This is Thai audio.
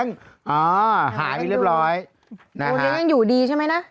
โอเล่งยังอยู่ดีใช่ไหมนะนะฮะโอเล่งยังอยู่ดีใช่ไหมนะ